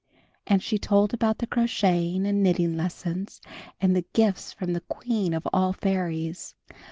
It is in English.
And she told about the crocheting and knitting lessons, and the gifts from the Queen of All Fairies.